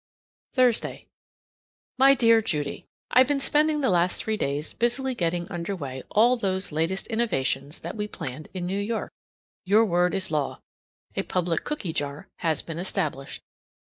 Thursday. My dear Judy: I've been spending the last three days busily getting under way all those latest innovations that we planned in New York. Your word is law. A public cooky jar has been established.